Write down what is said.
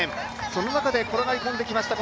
その中で転がり込んできました。